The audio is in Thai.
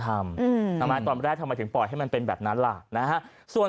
ทำไมตอนแรกทำไมถึงปล่อยให้มันเป็นแบบนั้นล่ะนะฮะส่วน